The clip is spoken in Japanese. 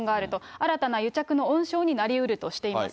新たな癒着の温床になりうるとしています。